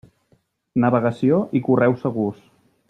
Navegació i correu segurs.